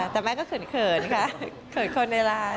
แต่แม่ก็เขินค่ะเขินคนในร้าน